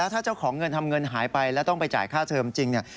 ถ้าเจ้าของเงินทำเงินหายไปแล้วต้องไปจ่ายค่าเทอมจริงเนี่ย